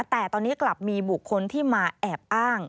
แต่ตอนนี้กลับมีบุคคลที่มาแอบอ้าง